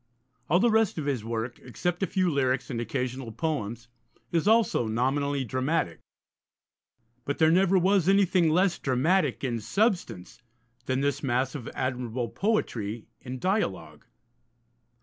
All the rest of his work, except a few lyrics and occasional poems, is also nominally dramatic. But there never was anything less dramatic in substance than this mass of admirable poetry in dialogue.